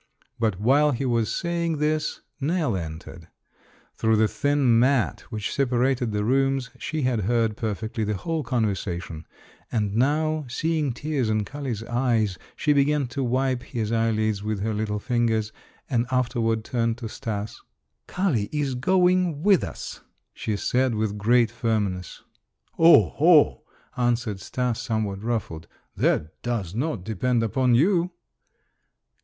But while he was saying this, Nell entered. Through the thin mat which separated the rooms she had heard perfectly the whole conversation, and now seeing tears in Kali's eyes she began to wipe his eyelids with her little fingers, and afterward turned to Stas: "Kali is going with us," she said with great firmness. "Oho!" answered Stas, somewhat ruffled, "that does not depend upon you."